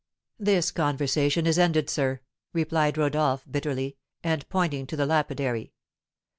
"This conversation is ended, sir," replied Rodolph, bitterly, and pointing to the lapidary.